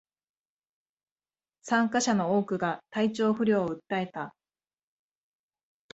参加者の多くが体調不良を訴えた